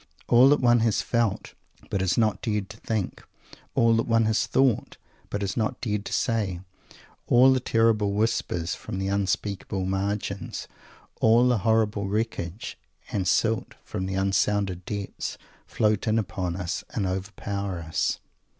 All that one has felt, but has not dared to think; all that one has thought, but has not dared to say; all the terrible whispers from the unspeakable margins; all the horrible wreckage and silt from the unsounded depths, float in upon us and overpower us.